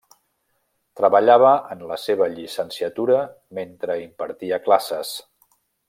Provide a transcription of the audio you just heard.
Treballava en la seva llicenciatura mentre impartia classes.